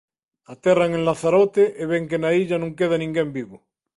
Aterran en Lanzarote e ven que na illa non queda ninguén vivo.